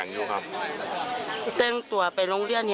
ยังเชื่อว่าลูกมีชีวิตอยู่และอยากให้ปฏิหารเกิดขึ้นค่ะ